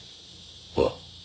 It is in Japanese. ああ。